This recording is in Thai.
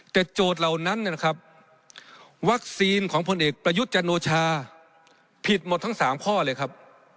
แต่โจทย์เหล่านั้นนะครับวัคซีนของพลเอกประยุทธ์จันโอชาผิดหมดทั้ง๓ข้อเลยครับ